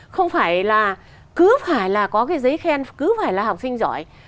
không phải là cứ phải là có cái giấy khen cứ phải là học sinh giỏi